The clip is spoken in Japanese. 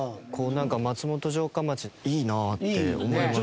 松本城下町いいなって思います